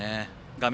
画面